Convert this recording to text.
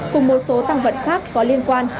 cùng một số tăng vận khác có liên quan